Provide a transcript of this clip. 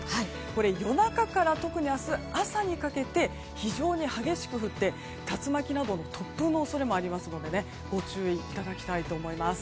これ、夜中から特に明日朝にかけて非常に激しく降って竜巻など突風の恐れもありますのでご注意いただきたいと思います。